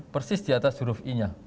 persis di atas huruf i nya